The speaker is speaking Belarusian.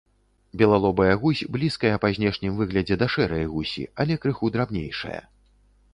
Белалобая гусь блізкая па знешнім выглядзе да шэрай гусі, але крыху драбнейшая.